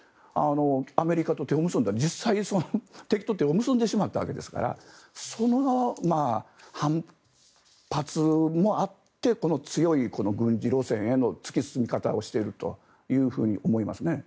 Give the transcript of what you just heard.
アメリカと、敵と手を結んでしまったわけですからその反発もあってこの強い軍事路線への突き進み方をしているというふうに思いますね。